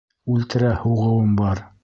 Үлтерә һуғыуым бар!